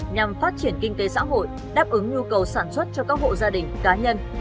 nhằm phát triển kinh tế xã hội đáp ứng nhu cầu sản xuất cho các hộ gia đình cá nhân